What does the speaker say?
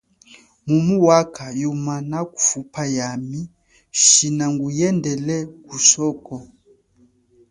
Mumu wakha yuma nakufupa yami shina nguyendele kusuko?